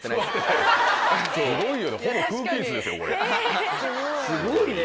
すごい。